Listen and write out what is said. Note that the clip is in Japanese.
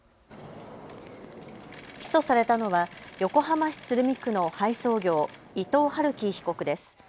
起訴されたのは横浜市鶴見区の配送業、伊藤龍稀被告です。